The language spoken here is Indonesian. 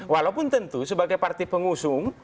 walaupun tentu sebagai partai pengusung